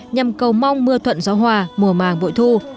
nhằm cầu mong mưa thuận gió hòa mùa màng bội thu